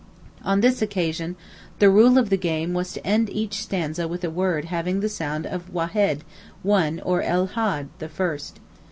On this occasion the rule of the game was to end each stanza with a word having the sound of wahed (one), or el Had (the first).